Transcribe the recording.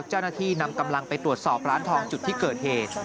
เจ้าหน้าที่นำกำลังไปตรวจสอบร้านทองจุดที่เกิดเหตุ